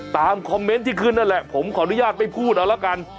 ตามคอมเมนต์ที่ขึ้นนั่นแหละผมขออนุญาตไม่พูดเอาละกัน